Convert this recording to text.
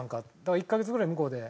１カ月ぐらい向こうで。